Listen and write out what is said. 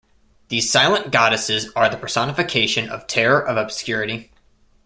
These silent goddesses are the personification of terror of obscurity.